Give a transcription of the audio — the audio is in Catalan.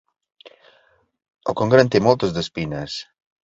El congre en té moltes d'espines.